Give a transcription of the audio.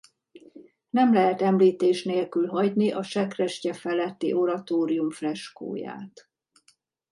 Nem lehet említés nélkül hagyni a sekrestye feletti oratórium freskóját.